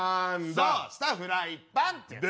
そうしたら「フライパン」ってね。